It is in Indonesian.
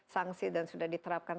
sanksi dan sudah diterapkan